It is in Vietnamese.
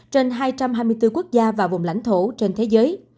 trên hai trăm hai mươi bốn quốc gia và vùng lãnh thổ trên thế giới